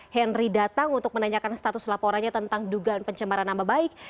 henry datang untuk menanyakan status laporannya tentang dugaan pencemaran nama baik